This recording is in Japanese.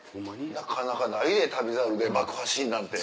なかなかないで『旅猿』で爆破シーンなんて。